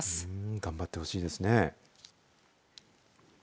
頑張ってほしいですね。